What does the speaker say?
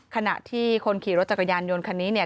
ขณะที่คนขี่รถจักรยานยนต์คันนี้เนี่ย